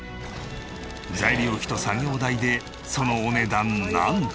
材料費と作業代でそのお値段なんと。